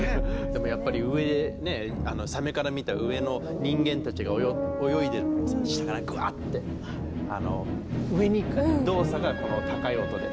でもやっぱり上でねサメから見た上の人間たちが泳いでるのを下からグワッて上に行く動作がこの高い音で。